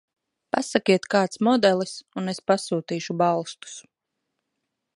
Pasakiet kāds modelis un es pasūtīšu balstus.